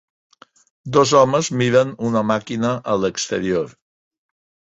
Dos homes miren una màquina a l'exterior.